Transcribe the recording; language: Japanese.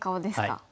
はい。